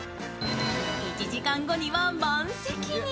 １時間後には満席に。